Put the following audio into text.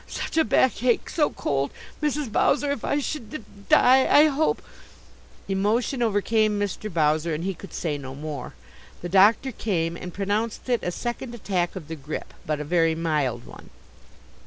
Such a backache! So cold! Mrs. Bowser, if I should d die, I hope " Emotion overcame Mr. Bowser, and he could say no more. The doctor came and pronounced it a second attack of the grip, but a very mild one.